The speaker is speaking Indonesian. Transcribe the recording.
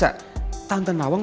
tante nawang menandak pergi